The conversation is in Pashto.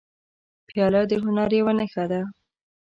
پیاله د هنر یوه نښه ده.